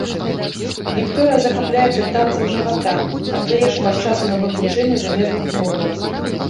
Вікторыя захапляецца танцам жывата, аддае шмат часу на вывучэнне замежных моваў.